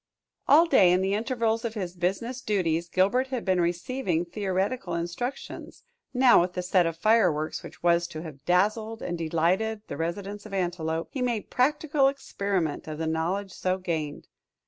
All day, in the intervals of his business duties, Gilbert had been receiving theoretical instructions; now with the set of fireworks which was to have dazzled and delighted the residents of Antelope, he made practical experiment of the knowledge so gained.